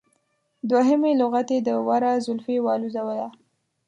دوهمې لغتې د وره زولفی والوزوله.